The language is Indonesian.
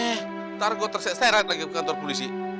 ntar gue terseret lagi ke kantor polisi